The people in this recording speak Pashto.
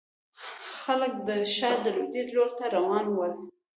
خلک د ښار لوېديځ لور ته روان ول.